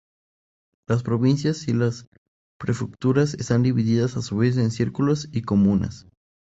Las provincias y las prefecturas están divididas a su vez en círculos y comunas.